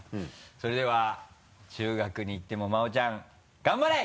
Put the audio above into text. それでは中学に行っても真央ちゃん頑張れ！